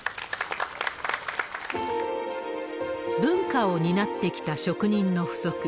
文化を担ってきた職人の不足。